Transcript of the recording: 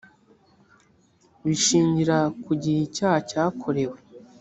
bishingira ku gihe icyaha cyakorewe